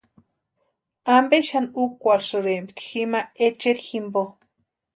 ¿Ampe xani úrakwarhisïrempki jima echeri jimpo?